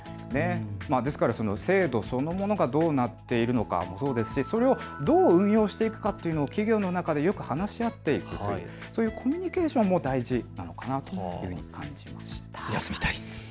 ですから、制度そのものがどうなっているのかもそうですしそれをどう運用していくのかというのも、企業の中でよく話し合っていく、そういうコミュニケーションも大事なのかなと感じました。